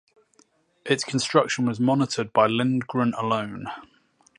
Its construction was monitored by Lindgren alone.